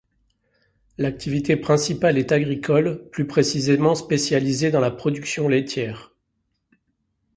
L'activité principale est agricole, plus précisément spécialisée dans la production laitière.